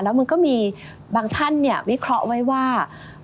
แล้วมันก็มีบางท่านวิเคราะห์ไว้ว่า